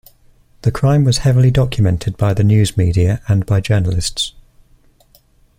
The crime was heavily documented by the news media and by journalists.